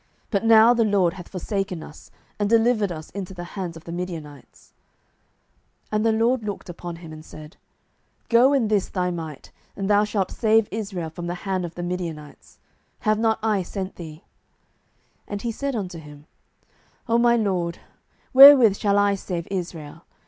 but now the LORD hath forsaken us, and delivered us into the hands of the Midianites. 07:006:014 And the LORD looked upon him, and said, Go in this thy might, and thou shalt save Israel from the hand of the Midianites: have not I sent thee? 07:006:015 And he said unto him, Oh my Lord, wherewith shall I save Israel?